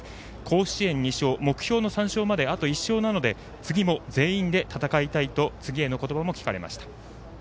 甲子園２勝、目標の３勝まであと１勝なので次も全員で戦いたいと次への言葉も聞かれました。